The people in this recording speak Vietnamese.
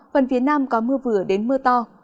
phần phía nam có mưa vừa đến mưa to